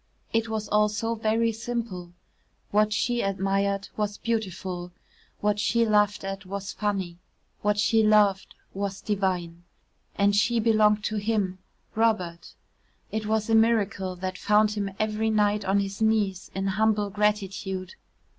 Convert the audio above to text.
It was all so very simple What she admired was beautiful; what she laughed at was funny; what she loved was divine And she belonged to him Robert. It was a miracle that found him every night on his knees in humble gratitude.